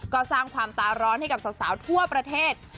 ก็สร้างความตาร้อนให้กับสาวทั่วประเทศ